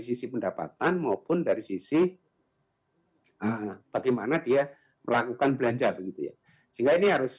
sisi pendapatan maupun dari sisi bagaimana dia melakukan belanja begitu ya sehingga ini harus